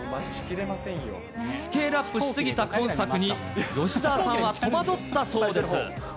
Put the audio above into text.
スケールアップしすぎた今作に、吉沢さんは戸惑ったそうです。